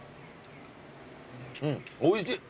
うんおいしい！